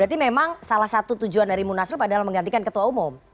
jadi memang salah satu tujuan dari munaslup adalah menggantikan ketua umum